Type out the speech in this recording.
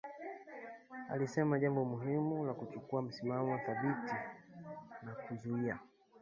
Alisema jambo muhimu ni kuchukua msimamo thabiti na kuzuia